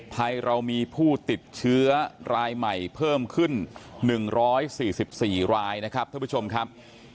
ไทยเรามีผู้ติดเชื้อรายใหม่เพิ่มขึ้น๑๔๔รายนะครับท่านผู้ชมครับ